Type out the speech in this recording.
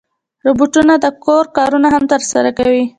روبوټونه د کور کارونه هم ترسره کوي.